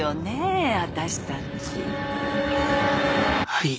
はい。